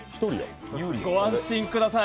ご安心ください。